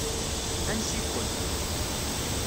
Ansi-ken.